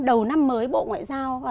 đầu năm mới bộ ngoại giao